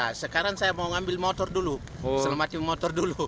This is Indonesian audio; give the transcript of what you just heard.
ya sekarang saya mau ambil motor dulu selamatkan motor dulu